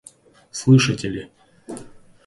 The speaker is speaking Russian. Слышите ли?